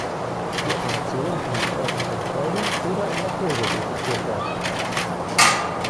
Die Operation kann in örtlicher Betäubung oder in Narkose durchgeführt werden.